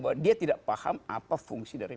bahwa dia tidak paham apa fungsi dari